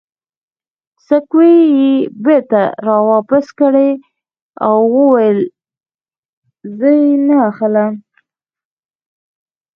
سکوې یې بېرته را واپس کړې او ویې ویل: زه یې نه اخلم.